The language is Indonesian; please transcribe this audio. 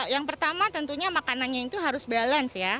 yang pertama tentunya makanannya itu harus balance ya